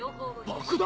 爆弾